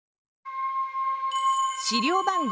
資料番号